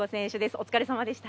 お疲れさまでした。